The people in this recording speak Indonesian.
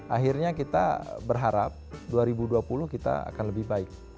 akhirnya kita berharap dua ribu dua puluh kita akan lebih baik